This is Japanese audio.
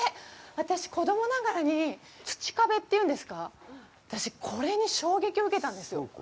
私、子供ながらに土壁っていうんですか私、これに衝撃を受けたんですよ。